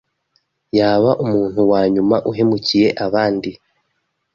Yaba umuntu wanyuma uhemukiye abandi.